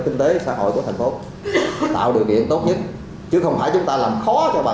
kinh tế xã hội của thành phố tạo điều kiện tốt nhất chứ không phải chúng ta làm khó cho bà